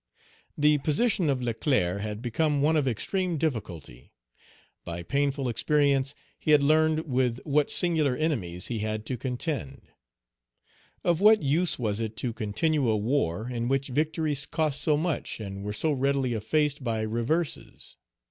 The position of Leclerc had become one of extreme difficulty. By painful experience he had learned with what singular enemies he had to contend. Of what use was it to continue a war in which victories cost so much and were so readily effaced by reverses?